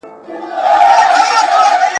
د غوايي په څېر به ټوله ورځ کړېږي !.